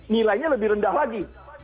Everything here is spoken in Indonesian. nilainya lebih rendah lagi